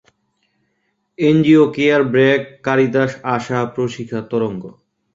NGO CARE, BRAC, Caritas, ASA, Proshika, তরঙ্গ।